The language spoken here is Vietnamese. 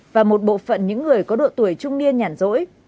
và một bộ phận những người có độ tuổi trung niên nhàn rỗi